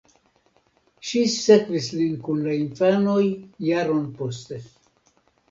Ŝi sekvis lin kun la infanoj jaron poste.